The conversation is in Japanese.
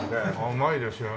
うまいですよね。